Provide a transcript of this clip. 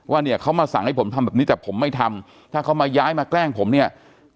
ว่าเนี่ยเขามาสั่งให้ผมทำแบบนี้แต่ผมไม่ทำถ้าเขามาย้ายมาแกล้งผมเนี่ย